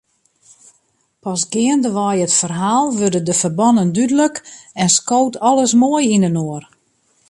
Pas geandewei it ferhaal wurde de ferbannen dúdlik en skoot alles moai yninoar.